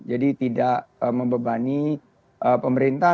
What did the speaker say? jadi tidak membebani pemerintah